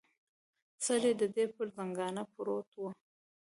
سر یې د دې پر زنګانه پروت و.